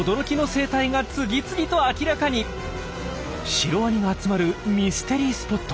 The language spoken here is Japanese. シロワニが集まるミステリースポット。